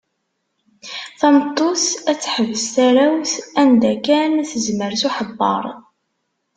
Tameṭṭut ad teḥbes tarrawt anda kan tezmer s uḥebber.